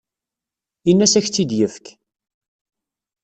Ini-as ad ak-tt-id-yefk.